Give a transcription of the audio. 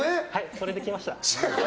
それできました。